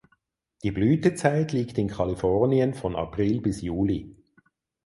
Die Blütezeit liegt in Kalifornien von April bis Juli.